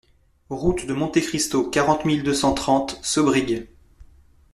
Route de Monte Cristo, quarante mille deux cent trente Saubrigues